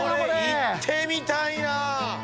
行ってみたいな！